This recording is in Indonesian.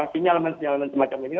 sinyal sinyal semacam ini